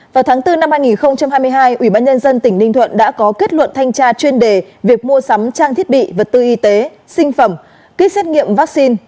vào tháng bốn năm hai nghìn hai mươi hai ủy ban nhân dân tỉnh ninh thuận đã có kết luận thanh tra chuyên đề việc mua sắm trang thiết bị vật tư y tế sinh phẩm kýt xét nghiệm vaccine